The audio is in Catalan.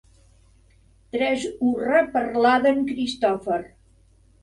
Tres hurra per l'Aden Christopher.